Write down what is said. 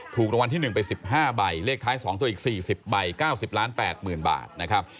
ถูกรางวัลที่๑ไป๑๕ใบเลขท้าย๒ตัวอีก๔๐ใบ๙๐ล้าน๘๐๐๐บาทนะครับ